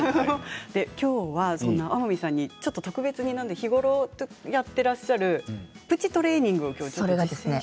きょうは天海さんに特別に日頃やってらっしゃるプチトレーニングを教えていただけると。